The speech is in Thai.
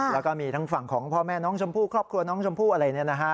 แล้วก็มีทั้งฝั่งของพ่อแม่น้องชมพู่ครอบครัวน้องชมพู่อะไรเนี่ยนะฮะ